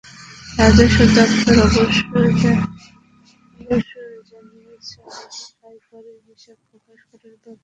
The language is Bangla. রাজস্ব দপ্তর অবশ্য জানিয়েছে, আয়করের হিসাব প্রকাশ করার ব্যাপারে কোনো নিষেধাজ্ঞা নেই।